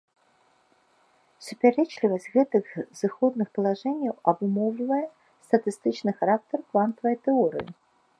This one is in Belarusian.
Супярэчлівасць гэтых зыходных палажэнняў абумоўлівае статыстычны характар квантавай тэорыі.